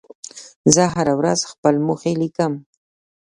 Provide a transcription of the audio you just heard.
زه هره ورځ خپل موخې لیکم.